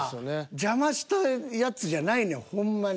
邪魔したやつじゃないねんほんまに。